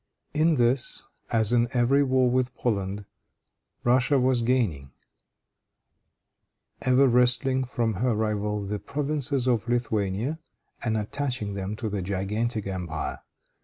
In this, as in every war with Poland, Russia was gaining, ever wresting from her rival the provinces of Lithuania, and attaching them to the gigantic empire.